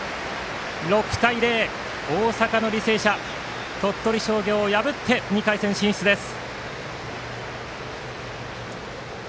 ６対０、大阪の履正社が鳥取商業を破って２回戦進出です。